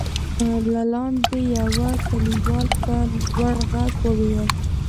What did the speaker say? له لاندې يوه کليوال په لوړ غږ وويل: